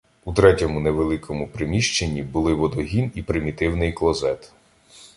У третьому невеликому приміщенні були водогін і примітивний клозет.